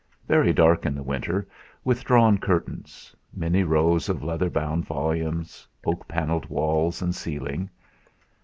Very dark in the winter, with drawn curtains, many rows of leather bound volumes, oak panelled walls and ceiling.